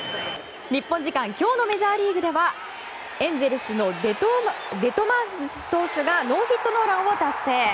日本時間今日のメジャーリーグではエンゼルスのデトマーズ投手がノーヒットノーランを達成。